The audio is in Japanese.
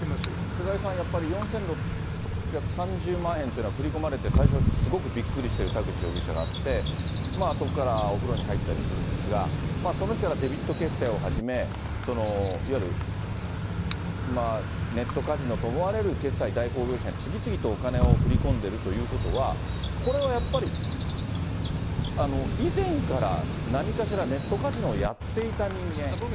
菅井さん、やっぱり４６３０万円というのは振り込まれて、最初すごくびっくりしてる田口容疑者があって、そこからお風呂に入ったりするんですが、その日からデビット決済をはじめ、いわゆるネットカジノと思われる決済代行業者に次々とお金を振り込んでいるということは、これはやっぱり以前から何かしらネットカジノをやっていた人間。